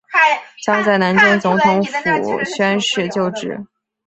蒋在南京总统府宣誓就职。